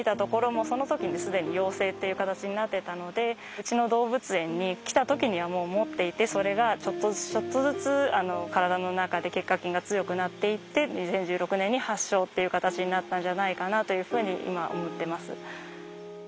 うちの動物園に来た時にはもう持っていてそれがちょっとずつちょっとずつ体の中で結核菌が強くなっていって２０１６年に発症という形になったんじゃないかなというふうに今思っています。